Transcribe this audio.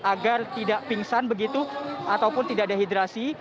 agar tidak pingsan begitu ataupun tidak dehidrasi